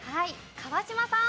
川島さん。